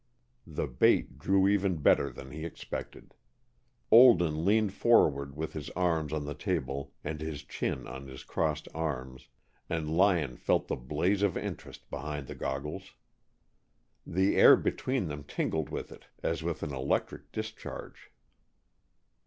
The bait drew even better than he expected. Olden leaned forward with his arms on the table and his chin on his crossed arms, and Lyon felt the blaze of interest behind the goggles. The air between them tingled with it as with an electric discharge.